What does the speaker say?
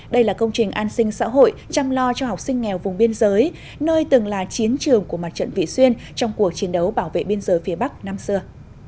đây là công trình an sinh xã hội chăm lo cho học sinh nghèo vùng biên giới nơi từng là chiến trường của mặt trận vị xuyên trong cuộc chiến đấu bảo vệ biên giới phía bắc năm xưa